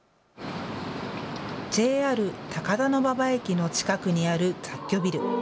ＪＲ高田馬場駅の近くにある雑居ビル。